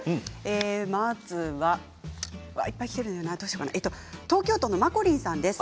まずは東京都の方からです。